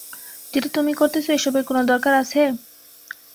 যেটা তুমি করতেছ এইসবের কোন দরকার আছে?